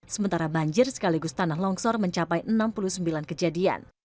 sementara banjir sekaligus tanah longsor mencapai enam puluh sembilan kejadian